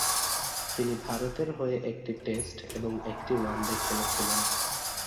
তিনি ভারতের হয়ে একটি টেস্ট এবং একটি ওয়ানডে খেলেছিলেন।